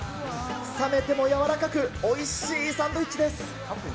冷めても柔らかく、おいしいサンドイッチです。